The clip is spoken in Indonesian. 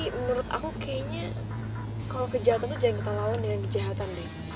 menurut aku kayaknya kalau kejahatan itu jangan kita lawan dengan kejahatan deh